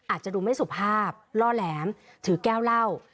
อาจจะดูไม่สุภาพล่อแหลมถือแก้วเหล้า